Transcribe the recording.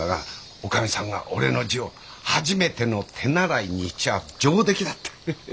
女将さんが俺の字を初めての手習いにしちゃ上出来だってエヘヘヘ。